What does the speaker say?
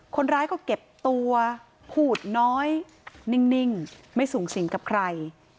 คนร้ายก็เก็บตัวพูดน้อยนิ่งไม่สูงสิงกับใคร